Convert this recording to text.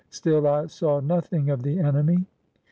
Still, I saw nothing of the enemy.